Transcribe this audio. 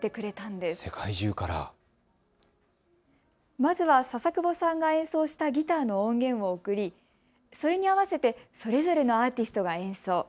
まずは笹久保さんが演奏したギターの音源を送りそれに合わせてそれぞれのアーティストが演奏。